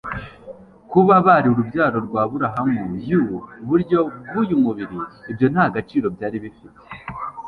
Kuba bari urubyaro rwa Aburahamu-yu buryo bw'uyubiri, ibyo nta gaciro byari bifite.